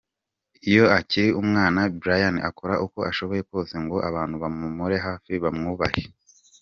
Iyo akiri umwana, Brian akora uko ashoboye kose ngo abantu bamuri hafi bamwubahe.